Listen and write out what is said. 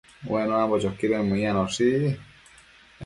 Ue nuambo choquidën mëyanoshi